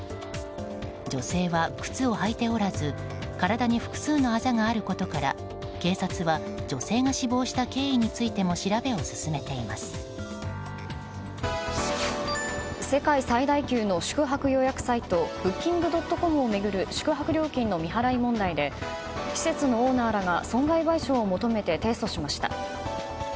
女性は靴を履いておらず体に複数のあざがあることから警察は、女性が死亡した経緯についても世界最大級の宿泊予約サイトブッキングドットコムを巡る宿泊料金の未払い問題で施設のオーナーらが損害賠償を求めて提訴しました。